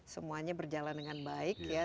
semuanya berjalan dengan baik ya